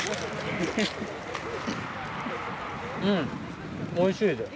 うんおいしいです。